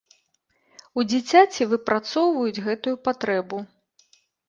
У дзіцяці выпрацоўваюць гэтую патрэбу.